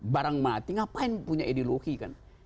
barang mati ngapain punya ideologi kan